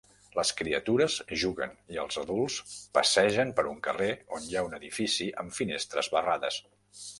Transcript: Les criatures juguen i els adults passegen per un carrer on hi ha un edifici amb finestres barrades.